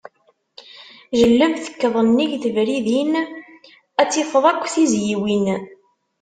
Jelleb, tekkeḍ nnig tebridin, ad tifeḍ akk tizyiwin.